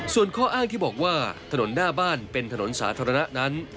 ส่วนข้ออ้างที่บอกว่าถนนหน้าบ้านเป็นถนนสาธารณะนั้น